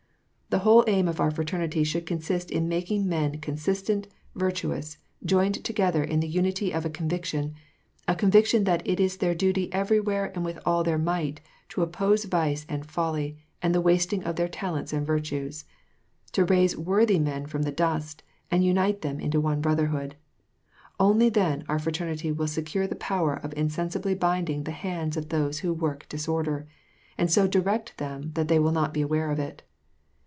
t> " The whole aim of our Fraternity should consist in mak ing men consistent, virtuous, joined together in the unity of a conviction, a conviction that it is their duty everywhere and with all their toight to oppose vice and folly, and the wasting of their talents and virtues ; to raise worthy men from the dust, and unite them into one brotherhood. Only then our Fra ternity will secure the power of insensibly binding the hands of those who work disorder, and so direct them that they will not be aware of it.